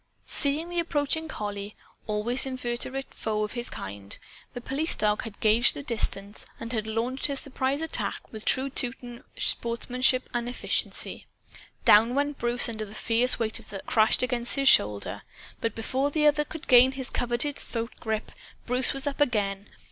Seeing the approaching collie (always inveterate foe of his kind), the police dog had gauged the distance and had launched his surprise attack with true Teuton sportsmanship and efficiency. Down went Bruce under the fierce weight that crashed against his shoulder. But before the other could gain his coveted throat grip, Bruce was up again.